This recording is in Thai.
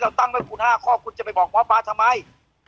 หมอป้าเป็นที่รู้จักไป๓โลกแล้วตอนเนีย